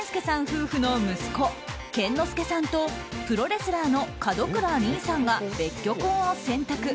夫婦の息子健之介さんとプロレスラーの門倉凛さんが別居婚を選択。